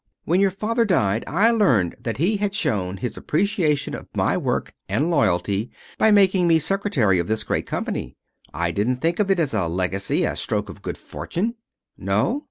When your father died, and I learned that he had shown his appreciation of my work and loyalty by making me secretary of this great company, I didn't think of it as a legacy a stroke of good fortune." "No?"